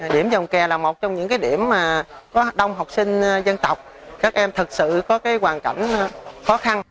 điểm dòng kè là một trong những điểm có đông học sinh dân tộc các em thật sự có hoàn cảnh khó khăn